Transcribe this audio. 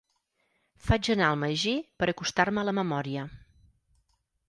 Faig anar el magí per acostar-me a la memòria.